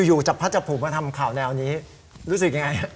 อยู่จับพระจับผูมาทำข่าวแนวนี้รู้สึกยังไง